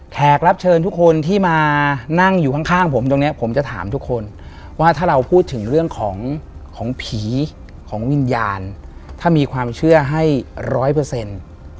แขกรับเชิญทุกคนที่มานั่งอยู่ข้างข้างผมตรงเนี้ยผมจะถามทุกคนว่าถ้าเราพูดถึงเรื่องของของผีของวิญญาณถ้ามีความเชื่อให้ร้อยเปอร์เซ็นต์